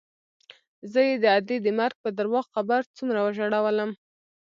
زه يې د ادې د مرګ په درواغ خبر څومره وژړولوم.